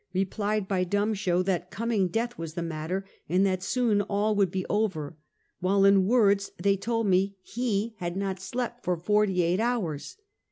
replied by dumb show that coming death was the matter, and that soon all would be over; while in words they told me he had not slept for forty eight hours.